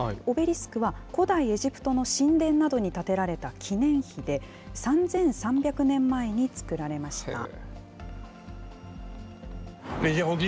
オベリスクは古代エジプトの神殿などに建てられた記念碑で、３３００年前に作られました。